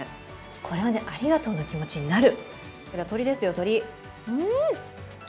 これはね、ありがとうの気持ちになる。